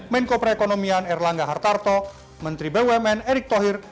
menko perekonomian erlangga hartarto menteri bumn erick thohir